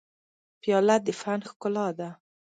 پیاله د فن ښکلا ده.